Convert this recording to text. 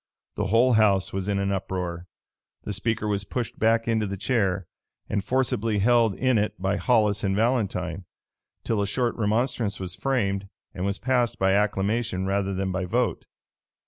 The whole house was in an uproar. The speaker was pushed back into the chair, and forcibly held in it by Hollis and Valentine, till a short remonstrance was framed, and was passed by acclamation rather than by vote.